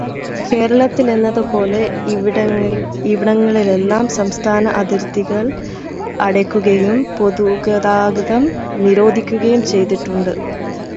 കേരളത്തിലെന്നത് പോലെ ഇവിടങ്ങളിലെല്ലാം സംസ്ഥാന അതിർത്തികൾ അടയ്ക്കുകയും പൊതുഗതാഗതം നിരോധിക്കുകയും ചെയ്തിട്ടുണ്ട്.